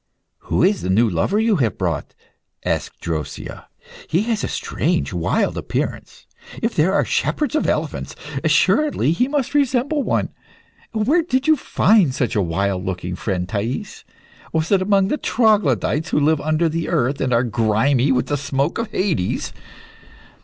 "Who is the new lover you have brought?" asked Drosea. "He has a strange, wild appearance. If there are shepherds of elephants, assuredly he must resemble one. Where did you find such a wild looking friend, Thais? Was it amongst the troglodytes who live under the earth, and are grimy with the smoke of Hades?"